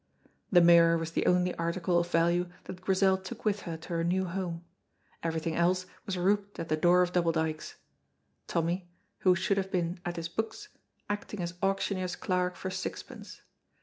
The mirror was the only article of value that Grizel took with her to her new home; everything else was rouped at the door of Double Dykes; Tommy, who should have been at his books, acting as auctioneer's clerk for sixpence.